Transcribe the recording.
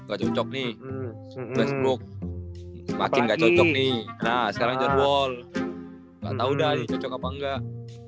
gak cocok nih facebook makin gak cocok nih nah sekarang john wall enggak tahu dan cocok apa enggak